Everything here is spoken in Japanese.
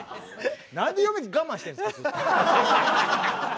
なんで嫁我慢してるんですかずっと。